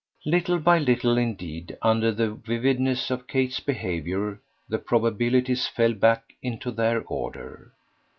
Little by little indeed, under the vividness of Kate's behaviour, the probabilities fell back into their order.